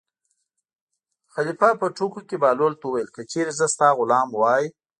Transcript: خلیفه په ټوکو کې بهلول ته وویل: که چېرې زه ستا غلام وای.